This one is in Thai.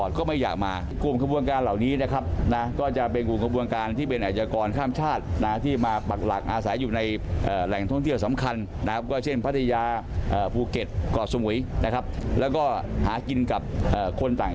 และมีพยานหลักฐานด้วยซึ่งผู้ต้องหาใช้วิธีการจัดการกับศพ